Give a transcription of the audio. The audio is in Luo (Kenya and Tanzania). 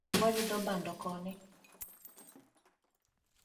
Waridho bando koni